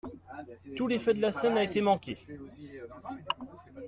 Tout l’effet de la scène a été manqué.